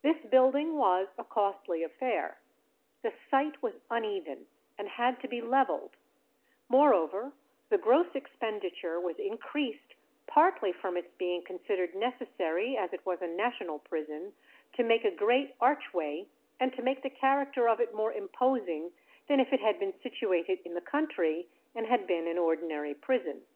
This building was a costly affair. The site was uneven, and had to be levelled; moreover, the gross expenditure was increased "partly from its being considered necessary, as it was a national prison, to make a great archway, and to make the character of it more imposing than if it had been situated in the country, and had been an ordinary prison."